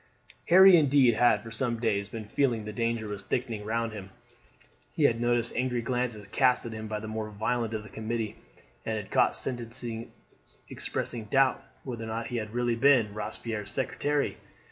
Harry indeed had for some days been feeling that danger was thickening round him. He had noticed angry glances cast at him by the more violent of the committee, and had caught sentences expressing doubt whether he had really been Robespierre's secretary.